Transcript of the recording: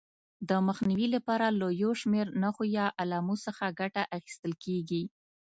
د مخنیوي لپاره له یو شمېر نښو یا علامو څخه ګټه اخیستل کېږي.